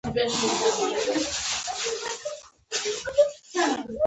اوسپنيزو لولو جوړولو ته يې هم لېوالتيا نه درلوده.